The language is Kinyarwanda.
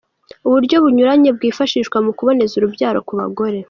Uburyo bunyuranye bwifashishwa mu kuboneza urubyaro ku bagore.